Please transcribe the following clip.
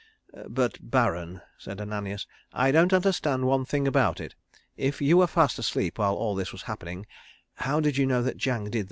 "But, Baron," said Ananias. "I don't understand one thing about it. If you were fast asleep while all this was happening how did you know that Jang did those things?"